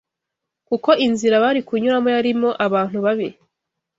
kuko inzira bari kunyuramo yarimo abantu babi.